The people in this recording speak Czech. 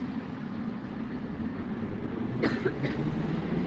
Smrtelné úrazy nejsou v souvislosti s eskalátory v pražském metru zmiňovány.